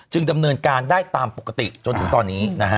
ดำเนินการได้ตามปกติจนถึงตอนนี้นะฮะ